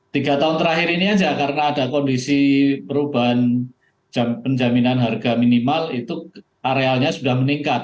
tiga tahun terakhir ini aja karena ada kondisi perubahan penjaminan harga minimal itu arealnya sudah meningkat